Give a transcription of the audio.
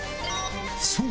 そう！